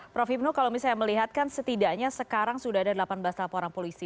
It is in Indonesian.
prof ibnu kalau misalnya melihatkan setidaknya sekarang sudah ada delapan belas laporan polisi